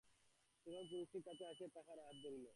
তখন পুরুষটি কাছে আসিয়া তাহার হাত ধরিল।